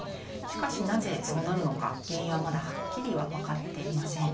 しかしなぜそうなるのか原因はまだはっきり分かっていません。